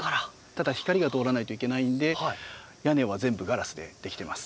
ただ光が通らないといけないんで屋根は全部ガラスで出来てます。